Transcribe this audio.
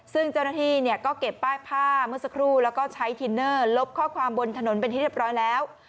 ซึ่งเจ้าหน้าที่เนี่ยก็เก็บป้ายผ้าเมื่อสักครู่แล้วก็ใช้ทินเนอร์ลบข้อความบนถนนเป็นที่เรียบร้อยแล้ว